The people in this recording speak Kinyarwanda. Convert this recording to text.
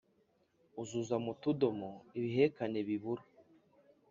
Uzuza mu tudomo ibihekane bibura